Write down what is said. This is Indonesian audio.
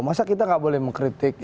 masa kita nggak boleh mengkritik